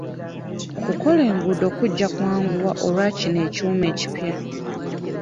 Okukola enguudo kujja kwanguwa olwa kino ekyuma ekipya.